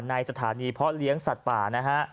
ในสถานีเพาะเลี้ยงสัตว์ป่านะฮะ